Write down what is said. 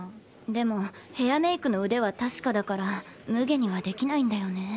でもヘアメイクの腕は確かだからむげにはできないんだよね。